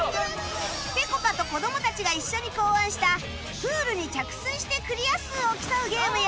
ぺこぱと子どもたちが一緒に考案したプールに着水してクリア数を競うゲームや